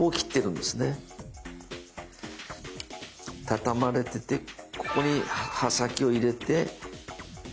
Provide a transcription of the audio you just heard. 畳まれててここに刃先を入れて。